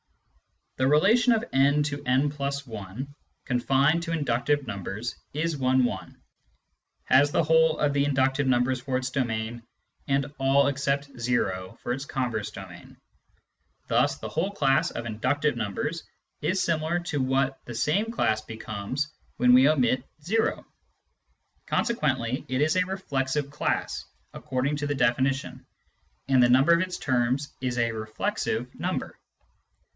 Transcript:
The relation of n to »+i, confined to inductive numbers, is one one, has the whole of the inductive numbers for its domain, and all except o for its converse domain. Thus the whole class of inductive numbers is similar to what the same class becomes when we omit o. Consequently it is a " reflexive " class according to the definition, and the number of its terms is a " reflexive " number.